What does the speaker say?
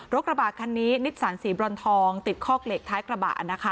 รถกระบะคันนี้นิดสารสีบร้อนทองติดข้อกเหล็กท้ายกระบะ